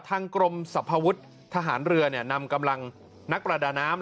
ทางกรมสรรพวุฒิทหารเรือนำกำลังนักประดาน้ำ